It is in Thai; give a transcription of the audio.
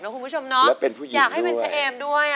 แล้วเป็นผู้หญิงด้วย